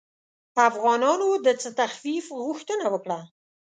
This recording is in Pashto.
افغانانو د څه تخفیف غوښتنه وکړه.